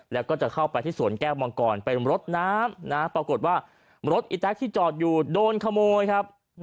เรากดว่ะรถอิรตรแอทที่จอดอยู่โดนขโมยครับ